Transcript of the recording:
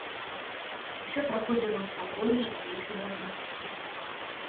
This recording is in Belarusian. Усё праходзіла ў спакойнай і ветлівай атмасферы.